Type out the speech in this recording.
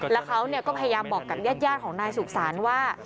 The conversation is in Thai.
แล้วเขาก็พยายามบอกกับญาติของนายสุขศาลว่า